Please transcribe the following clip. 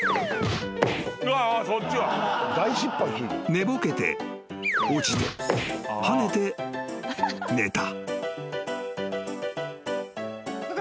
［寝ぼけて落ちて跳ねて寝た］